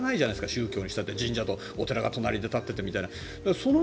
宗教にしたって神社とお寺が隣に立っててとか。